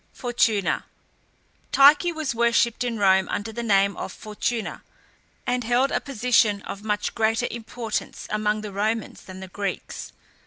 FORTUNA. Tyche was worshipped in Rome under the name of Fortuna, and held a position of much greater importance among the Romans than the Greeks.